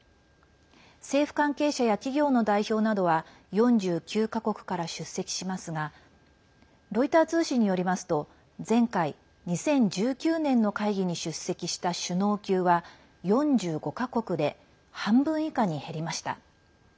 政府関係者や企業の代表などは４９か国から出席しますがロイター通信によりますと前回２０１９年の会議に出席した首脳級は４５か国で半分以下に減りました。